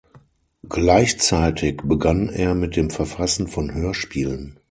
Gleichzeitig begann er mit dem Verfassen von Hörspielen.